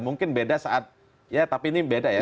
mungkin beda saat ya tapi ini beda ya